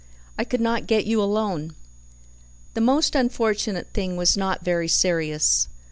I could not get you alone." The most unfortunate thing was not very serious.